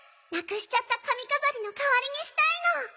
なくしちゃった髪飾りの代わりにしたいの。